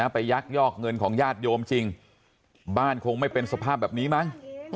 ยักยอกเงินของญาติโยมจริงบ้านคงไม่เป็นสภาพแบบนี้มั้ง